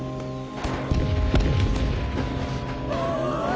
あぁ！